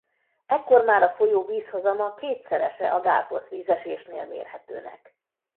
Ekkor már a folyó vízhozama kétszerese a Gullfoss-vízesésnél mérhetőnek.